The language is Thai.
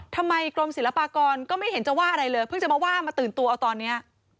ทำไมกรมศิลปากรก็ไม่เห็นจะว่าอะไรเลยเพิ่งจะมาว่ามาตื่นตัวเอาตอนนี้